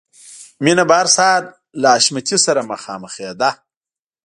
مینه به هر سهار له حشمتي سره مخامخېده